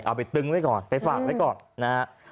เอาไปตึงไว้ก่อนไปฝากไว้ก่อนนะฮะ